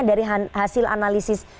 dari hasil analisis